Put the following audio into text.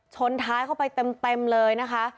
ชนท้ายเข้าไปเต็มเลยนะคะ